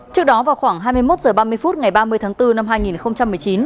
trước đó vào khoảng hai mươi một h ba mươi phút ngày ba mươi tháng bốn năm hai nghìn một mươi chín